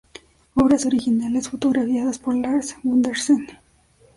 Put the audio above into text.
Obras originales fotografiadas por Lars Gundersen.